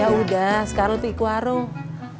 ya udah sekarang pergi ke warung